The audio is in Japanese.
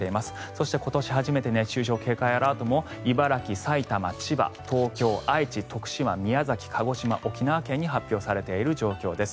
そして、今年初めて熱中症警戒アラートも茨城、埼玉、千葉、東京、愛知徳島、宮崎、鹿児島、沖縄県に発表されている状況です。